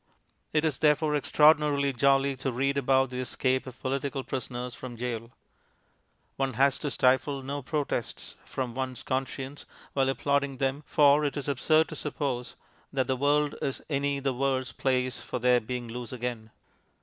It is, therefore, extraordinarily jolly to read about the escape of political prisoners from gaol. One has to stifle no protests from one's conscience while applauding them, for it is absurd to suppose that the world is any the worse place for their being loose again.